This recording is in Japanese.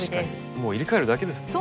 もう入れ替えるだけですもんね。